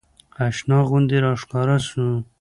اشنا غوندې راښکاره سو.